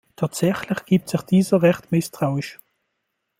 Tatsächlich gibt sich dieser recht misstrauisch.